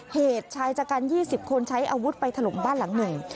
เหตุชายชะกัน๒๐คนใช้อาวุธไปถล่มบ้านหลังหนึ่ง